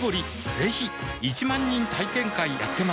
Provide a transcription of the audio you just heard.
ぜひ１万人体験会やってます